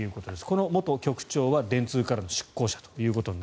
この元局長は電通からの出向者だと。